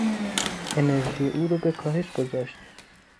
انرژی او رو به کاهش گذاشت.